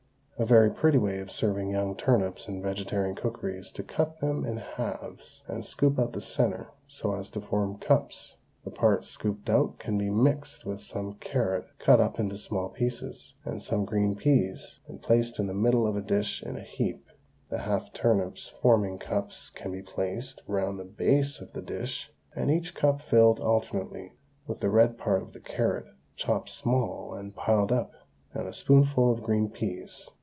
A very pretty way of serving young turnips in vegetarian cookery is to cut them in halves and scoop out the centre so as to form cups; the part scooped out can be mixed with some carrot cut up into small pieces, and some green peas, and placed in the middle of a dish in a heap; the half turnips forming cups can be placed round the base of the dish and each cup filled alternately with the red part of the carrot, chopped small and piled up, and a spoonful of green peas.